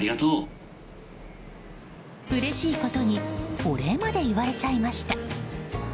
うれしいことにお礼まで言われちゃいました。